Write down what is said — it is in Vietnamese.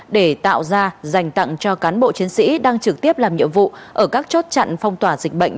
để tạo ra dành tặng cho cán bộ chiến sĩ đang trực tiếp làm nhiệm vụ ở các chốt chặn phong tỏa dịch bệnh